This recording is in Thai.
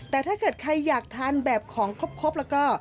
แต่ถ้าเกิดใครอยากทานแบบของครบแล้วก็